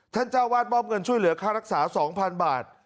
ท่านเจ้าอาวาสบ้อมเงินช่วยเหลือค่ารักษา๒๐๐๐บาท